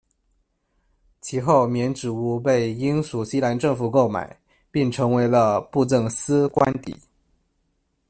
其后缅栀屋被英属锡兰政府购买，并成为了布政司官邸。